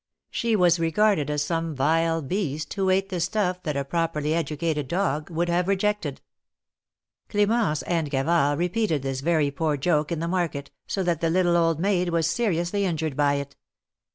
She was regarded as some vile beast, who ate the stuff that a properly educated dog would have rejected. Clemence and Gavard repeated this very poor joke in the market, so that the little old maid was seriously injured by it.